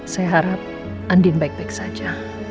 saya harap andin baik baik saja